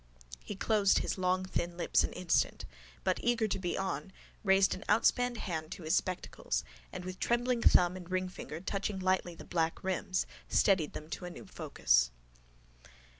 He closed his long thin lips an instant but, eager to be on, raised an outspanned hand to his spectacles and, with trembling thumb and ringfinger touching lightly the black rims, steadied them to a new focus.